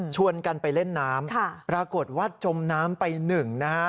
ชวนกันไปเล่นน้ำปรากฏว่าจมน้ำไป๑นะครับ